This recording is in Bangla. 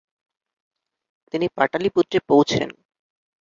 তিনি পাটালিপুত্রে পৌঁছেন।